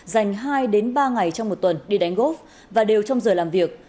dành hai ba ngày trong một tuần đi đánh gốc và đều trong giờ làm việc